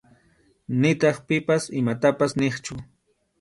Nitaq pipas imatapas niqchu.